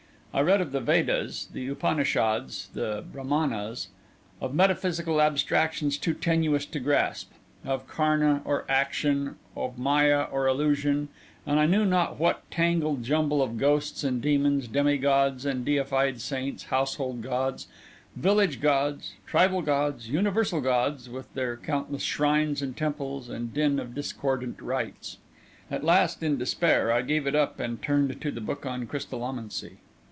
I read of the Vedas, the Upanishads, the Brâhmanas; of metaphysical abstractions too tenuous to grasp; of karna or action, of maya or illusion, and I know not what "tangled jumble of ghosts and demons, demi gods, and deified saints, household gods, village gods, tribal gods, universal gods, with their countless shrines and temples and din of discordant rites." At last, in despair, I gave it up, and turned to the book on crystallomancy.